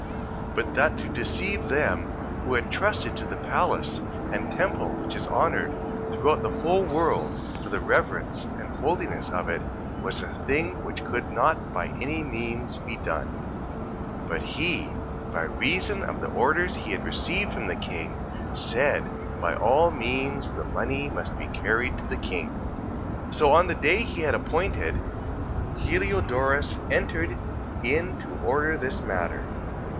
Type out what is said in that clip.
3:12. But that to deceive them who had trusted to the place and temple which is honoured throughout the whole world, for the reverence and holiness of it, was a thing which could not by any means be done. 3:13. But he, by reason of the orders he had received from the king, said, that by all means the money must be carried to the king. 3:14. So on the day he had appointed, Heliodorus entered in to order this matter.